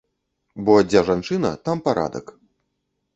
Бо дзе жанчына, там парадак.